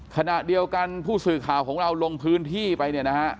ขณะเดียวกันผู้สื่อข่าวของเราลงพื้นที่ไปเนี่ยนะฮะ